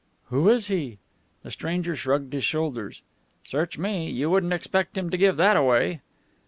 "Who is he?" The stranger shrugged his shoulders. "Search me. You wouldn't expect him to give that away."